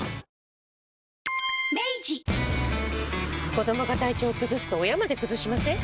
子どもが体調崩すと親まで崩しません？